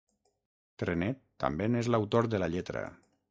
Trenet també n'és l'autor de la lletra.